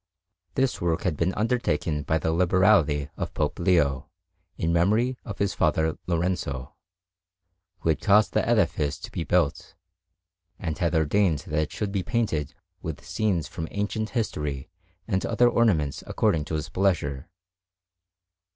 This work had been undertaken by the liberality of Pope Leo, in memory of his father Lorenzo, who had caused the edifice to be built, and had ordained that it should be painted with scenes from ancient history and other ornaments according to his pleasure.